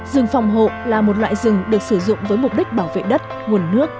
rừng phòng hộ là một loại rừng được sử dụng với mục đích bảo vệ đất nguồn nước